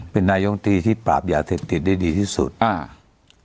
เป็นนายมตรีที่ปราบยาเสพติดได้ดีที่สุดอ่า